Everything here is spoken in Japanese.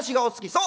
「そう！